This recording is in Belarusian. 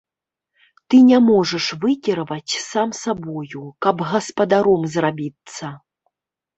Ты не можаш выкіраваць сам сабою, каб гаспадаром зрабіцца.